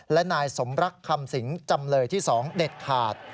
และนายสมรักคำสิงจำเลยที่๒เด็ดขาด